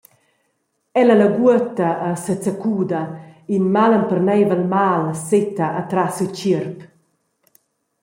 Ella laguota e sezaccuda, in malemperneivel mal setta atras siu tgierp.